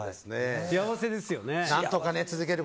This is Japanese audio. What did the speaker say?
幸せですよね。